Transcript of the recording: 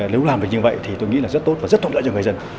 nếu làm như vậy thì tôi nghĩ rất tốt và rất tốt đỡ cho người dân